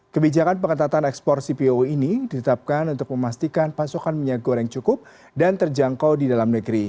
kebijakan pengetatan ekspor cpo ini ditetapkan untuk memastikan pasokan minyak goreng cukup dan terjangkau di dalam negeri